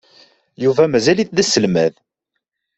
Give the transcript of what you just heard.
Yuba mazal-it d aselmad.